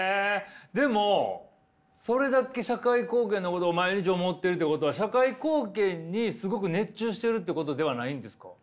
でもそれだけ社会貢献のことを毎日思っているってことは社会貢献にすごく熱中しているってことではないんですか？